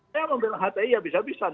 saya membela hti habis habisan